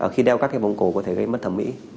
khi đeo các cái vùng cổ có thể gây mất thẩm mỹ